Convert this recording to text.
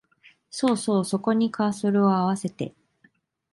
そうそう、そこにカーソルをあわせて